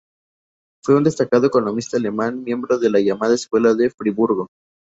Fue un destacado economista alemán miembro de la llamada Escuela de Friburgo.